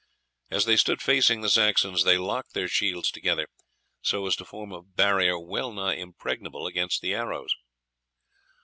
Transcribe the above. As they stood facing the Saxons they locked their shields together so as to form a barrier well nigh impregnable against the arrows.